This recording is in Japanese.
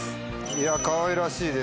いやかわいらしいです。